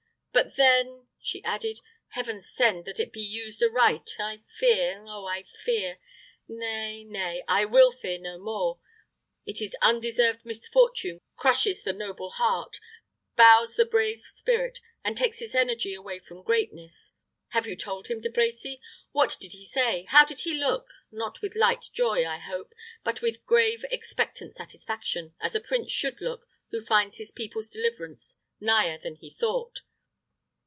But then," she added, "Heaven send that it be used aright. I fear oh, I fear Nay, nay, I will fear no more! It is undeserved misfortune crushes the noble heart, bows the brave spirit, and takes its energy away from greatness. Have you told him, De Brecy? What did he say? How did he look? Not with light joy, I hope; but with grave, expectant satisfaction, as a prince should look who finds his people's deliverance nigher than he thought."